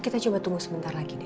kita coba tunggu sebentar lagi deh